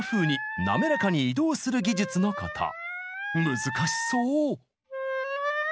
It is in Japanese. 難しそう！